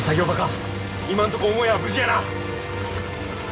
今んとこ母屋は無事やな。